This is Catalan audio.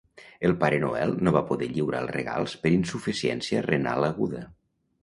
El Pare Noel no va poder lliurar els regals per insuficiència renal aguda.